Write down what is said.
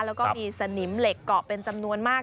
แล้วก็มีสนิมเหล็กเกาะเป็นจำนวนมาก